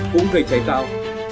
cũng gây cháy tạo